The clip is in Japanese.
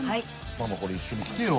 ママこれ一緒に来てよ。